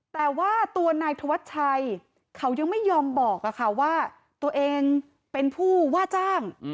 แต่ว่าตัวนายธวัชชัยเขายังไม่ยอมบอกว่าตัวเองเป็นผู้ว่าจ้าง